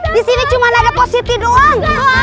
disini cuman ada positi doang